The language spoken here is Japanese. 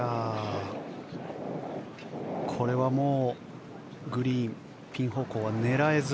これはもうグリーン、ピン方向は狙えず。